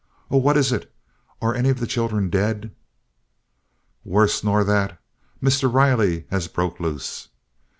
"Oh, what is it? Are any of the children dead?" "Worse nor that; Mr. Riley has broke loose!"